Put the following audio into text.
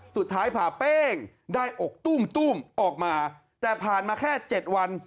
สุดท้ายผ่าเป้งได้อกตุ้มตุ้มออกมาแต่ผ่านมาแค่เจ็ดวัน